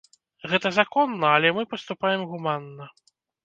Гэта законна, але мы паступаем гуманна.